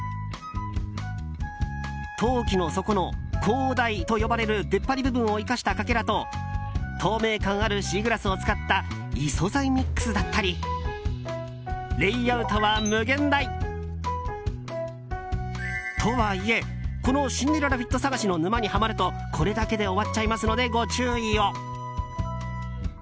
陶器の底の高台と呼ばれるでっぱり部分を生かしたかけらと透明感あるシーグラスを使った異素材ミックスだったりレイアウトは無限大！とはいえこのシンデレラフィット探しの沼にはまるとこれだけで終わっちゃいますのでご注意を。